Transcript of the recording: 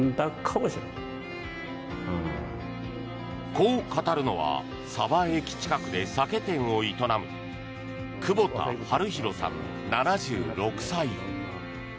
こう語るのは鯖江駅近くで酒店を営む久保田治裕さん、７６歳。